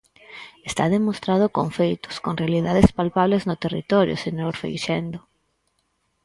Está demostrado con feitos, con realidades palpables no territorio, señor Freixendo.